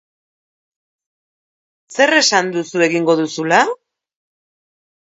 Zer esan duzu egingo duzula?